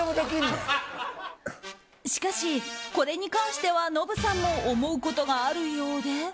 しかし、これに関してはノブさんも思うことがあるようで。